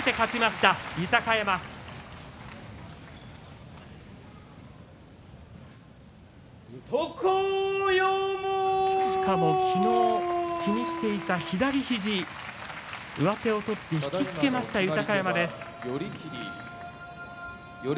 しかも、昨日気にしていた左肘上手を取って引き付けました豊山です。